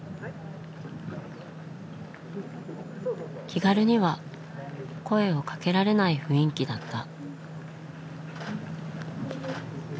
気軽には声をかけられない雰囲気だった。